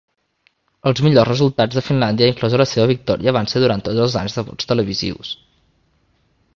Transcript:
Els millors resultats de Finlàndia, inclosa la seva victòria van ser durant tots els anys de vots televisius.